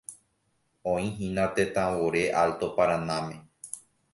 Oĩhína tetãvore Alto Paranáme.